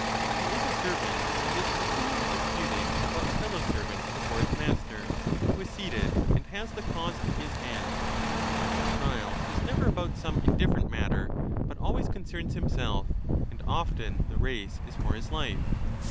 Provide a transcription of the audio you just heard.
He is a servant, and is continually dis puting about a fellow servant before his master, who is seated, and has the cause in his hands ; the trial is never about some indifferent matter, but always concerns himself; and oflen the 173 race is for his life.